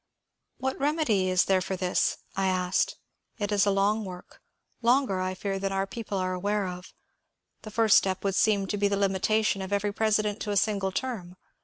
What remedy is there for this ?" I asked. " It is a long work — longer I fear than our people are aware of. The first step would seem to be the limitation of every president to a single term.